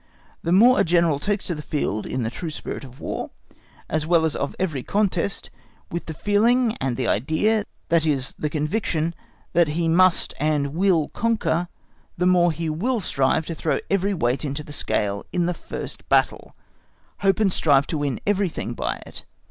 The more a General takes the field in the true spirit of War as well as of every contest, with the feeling and the idea, that is the conviction, that he must and will conquer, the more he will strive to throw every weight into the scale in the first battle, hope and strive to win everything by it.